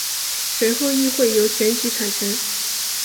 随后议会由选举产生。